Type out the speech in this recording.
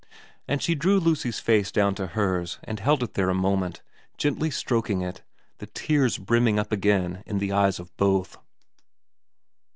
And she drew Lucy's face down to hers and held it there a moment, gently stroking it, the tears brimming up again in the eyes of both.